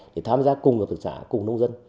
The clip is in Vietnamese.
để tham gia cùng với thực xã cùng nông dân